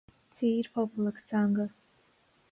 Tír, Pobal agus Teanga